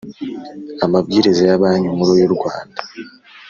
amabwiriza ya Banki Nkuru y u Rwanda